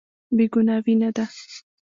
بې ګناه وينه ده.